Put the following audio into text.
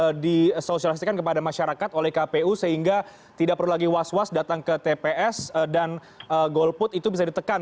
kemudian disosialisasikan kepada masyarakat oleh kpu sehingga tidak perlu lagi was was datang ke tps dan golput itu bisa ditekan